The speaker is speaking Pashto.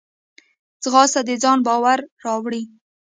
ځغاسته د ځان باور راولي